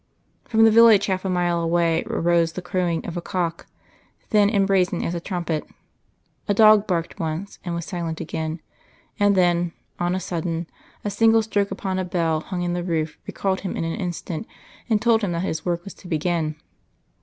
From the village half a mile away arose the crowing of a cock, thin and brazen as a trumpet; a dog barked once and was silent again; and then, on a sudden, a single stroke upon a bell hung in the roof recalled him in an instant, and told him that his work was to begin.